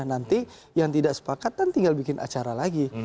nanti yang tidak sepakat kan tinggal bikin acara lagi